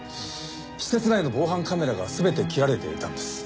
施設内の防犯カメラが全て切られていたんです。